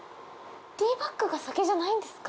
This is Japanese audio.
ティーバッグが先じゃないんですか？